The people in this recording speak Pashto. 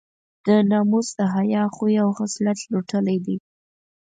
د ناموس د حیا خوی او خصلت لوټلی دی.